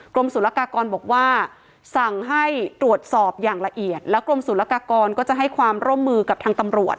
กรมศุลกากรบอกว่าสั่งให้ตรวจสอบอย่างละเอียดแล้วกรมศุลกากรก็จะให้ความร่วมมือกับทางตำรวจ